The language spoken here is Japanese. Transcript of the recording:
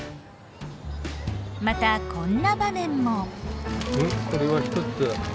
またこんな場面も。